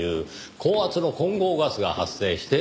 高圧の混合ガスが発生して爆発。